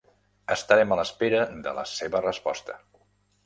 Estarem a l'espera de la seva resposta.